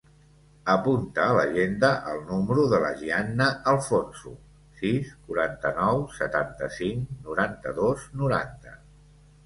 Apunta a l'agenda el número de la Gianna Alfonso: sis, quaranta-nou, setanta-cinc, noranta-dos, noranta.